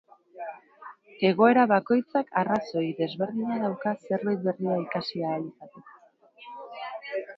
Egoera bakoitzak arrazoi desberdina dauka zerbait berria ikasi ahal izateko.